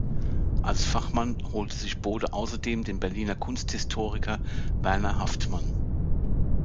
Als Fachmann holte sich Bode außerdem den Berliner Kunsthistoriker Werner Haftmann.